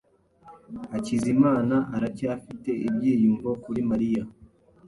Hakizimana aracyafite ibyiyumvo kuri Mariya.